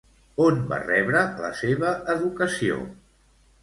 On va rebre la seva educació?